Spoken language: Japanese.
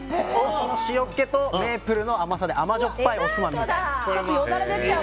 塩っ気とメープルで甘じょっぱいおつまみみたいな。